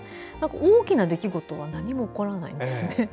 大きな出来事は何も起こらないんですね。